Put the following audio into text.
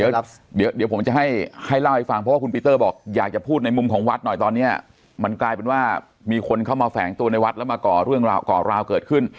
เดี๋ยวเดี๋ยวผมจะให้ให้เล่าให้ฟังเพราะว่าคุณปีเตอร์บอกอยากจะพูดในมุมของวัดหน่อยตอนนี้มันกลายเป็นว่ามีคนเข้ามาแฝงตัวในวัดแล้วมาก่อเรื่องก่อราวเกิดขึ้น